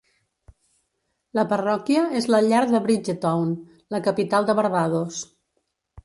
La parròquia és la llar de Bridgetown, la capital de Barbados.